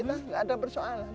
enggak ada persoalan